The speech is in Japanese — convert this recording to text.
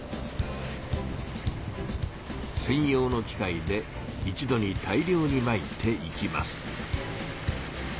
せん用の機械で一度に大量にまいていきます。